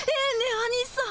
アニさん。